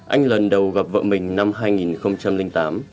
anh lần đầu gặp vợ mình năm hai nghìn tám